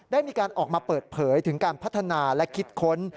ได้มีการออกมาเปิดเผยถึงการพัฒนาและคิดค้น